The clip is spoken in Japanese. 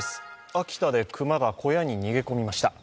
秋田で熊が小屋に逃げ込みました。